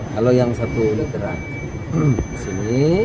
kalau yang satu literan